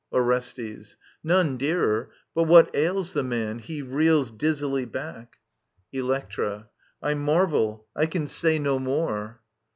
Orestes. None dearer. — ^But what ails the man ? He reels Dizzily back. Electra. I marvel. I can say No more.